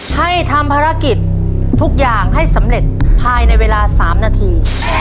ให้ทำภารกิจทุกอย่างให้สำเร็จภายในเวลา๓นาที